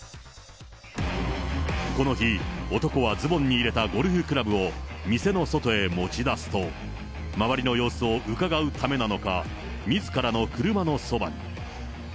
この日、男はズボンに入れたゴルフクラブを店の外へ持ち出すと、周りの様子をうかがうためなのか、みずからの車のそばに。